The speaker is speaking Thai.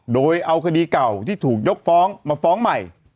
โดยเอาคดีเก่าที่ถูกยกฟ้องมาฟ้องใหม่